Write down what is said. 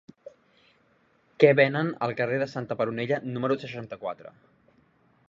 Què venen al carrer de Santa Peronella número seixanta-quatre?